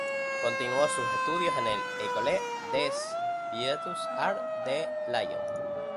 Continuó sus estudios en la Ecole des Beaux-Arts de Lyon.